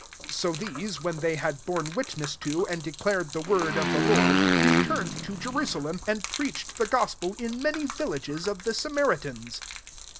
25 So these, when they had borne witness to and declared the word of the Lord, returned to Jerusalem, and preached the gospel in many villages of the Samaritans.